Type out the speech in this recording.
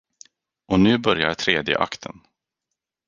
Och nu börjar tredje akten.